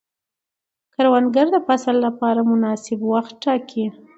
کروندګر د فصل لپاره مناسب وخت ټاکي